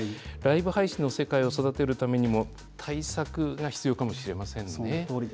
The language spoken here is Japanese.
ライブ配信の世界を育てるためにも、対策が必要かもしれませんね。